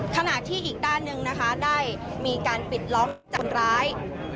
ขณะที่อีกด้านหนึ่งนะคะได้มีการปิดล้อมคนร้าย